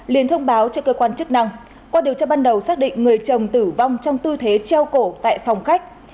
liên thông báo cho cơ quan chức năng qua điều tra ban đầu xác định người chồng tử vong trong tư thế treo cổ tại phòng khách